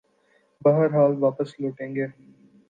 بہرحال واپس لوٹیں گے۔